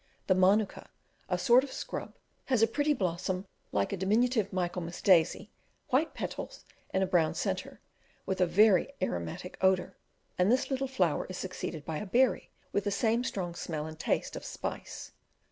The manuka, a sort of scrub, has a pretty blossom like a diminutive Michaelmas daisy, white petals and a brown centre, with a very aromatic odour; and this little flower is succeeded by a berry with the same strong smell and taste of spice.